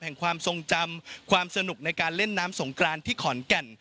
ความทรงจำความสนุกในการเล่นน้ำสงกรานที่ขอนแก่น